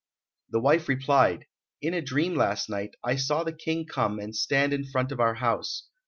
The wife replied, "In a dream last night, I saw the King come and stand in front of our house.